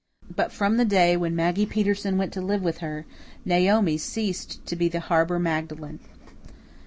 But from the day when Maggie Peterson went to live with her, Naomi ceased to be the harbour Magdalen.